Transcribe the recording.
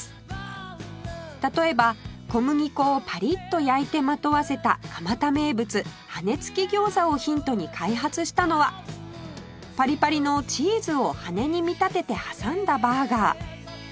例えば小麦粉をパリッと焼いてまとわせた蒲田名物羽根付き餃子をヒントに開発したのはパリパリのチーズを羽根に見立てて挟んだバーガー